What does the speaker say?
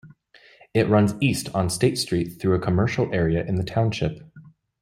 It runs east on State Street through a commercial area in the township.